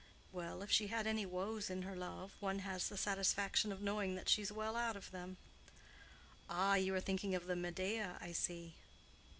"Well, if she had any woes in her love, one has the satisfaction of knowing that she's well out of them." "Ah, you are thinking of the Medea, I see."